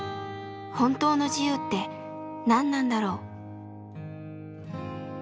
本当の「自由」って何なんだろう？